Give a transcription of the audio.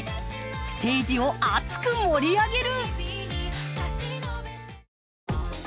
ステージを熱く盛り上げる！